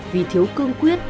vì thiếu cương quyết